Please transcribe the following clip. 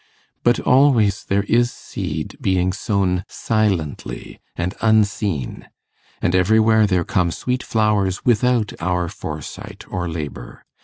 But always there is seed being sown silently and unseen, and everywhere there come sweet flowers without our foresight or labour.